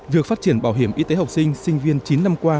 việc phát triển bảo hiểm y tế học sinh sinh viên chín năm qua